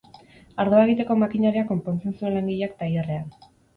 Ardoa egiteko makinaria konpontzen zuen langileak tailerrean.